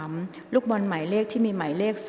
กรรมการท่านที่ห้าได้แก่กรรมการใหม่เลขเก้า